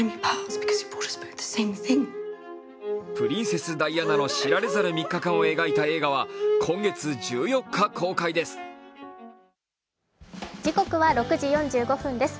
プリンセス・ダイアナの知られざる３日間を描いた映画は今月１４日公開です。